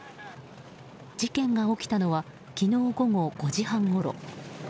事件が起きたのは昨日午後５時半ごろ。